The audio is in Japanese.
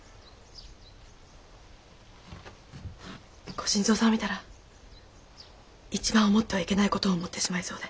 ご新造さんを見たら一番思ってはいけない事を思ってしまいそうで。